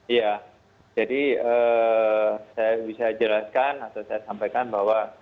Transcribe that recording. iya jadi saya bisa jelaskan atau saya sampaikan bahwa